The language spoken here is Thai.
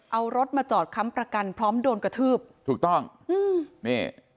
เอารถมาจอดค้ำประกันพร้อมโดนกระทืบถูกต้องอืมนี่